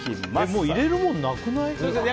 もう入れるもんなくない？